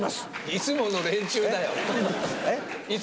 いつもの連中だよ。え？